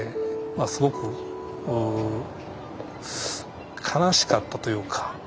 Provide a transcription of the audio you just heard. まあすごく悲しかったというか。